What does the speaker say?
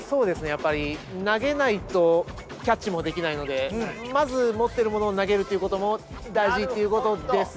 やっぱり投げないとキャッチもできないのでまず持ってるものを投げるということも大事っていうことですか？